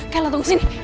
kayla tunggu sini